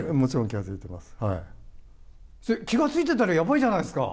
気が付いてたらやばいじゃないですか。